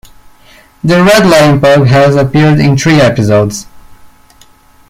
The Red Lion pub has appeared in three episodes.